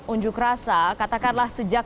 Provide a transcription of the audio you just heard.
unjuk rasa katakanlah sejak